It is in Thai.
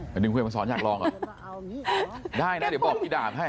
ก็นึงเบียบมาสอนอยากลองเหรอได้นะเดี๋ยวบอกพี่ดามให้